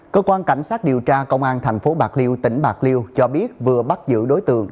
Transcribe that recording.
cơ quan cảnh sát điều tra công an thành phố bạc liêu tỉnh bạc liêu cho biết vừa bắt giữ đối tượng